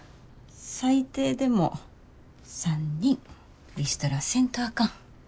最低でも３人リストラせんとあかん。